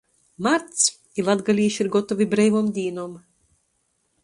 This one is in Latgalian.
Marts, i latgalīši ir gotovi breivom dīnom!